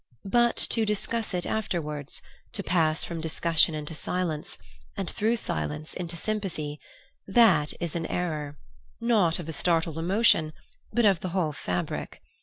But to discuss it afterwards, to pass from discussion into silence, and through silence into sympathy, that is an error, not of a startled emotion, but of the whole fabric.